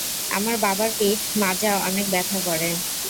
আমার বাবার পিঠ, মাজা অনেক ব্যথা করে।